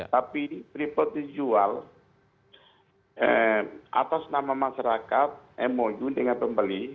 tapi freeport dijual atas nama masyarakat mou dengan pembeli